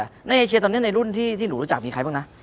ในเอเชียตอนนี้ในรุ่นที่หนูรู้จักมีใครบ้างนะ